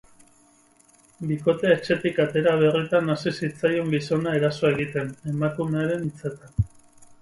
Bikotea etxetik atera berritan hasi zitzaion gizona eraso egiten, emakumearen hitzetan.